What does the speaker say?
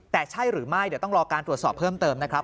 แต่ใช่หรือไม่เดี๋ยวต้องรอการตรวจสอบเพิ่มเติมนะครับ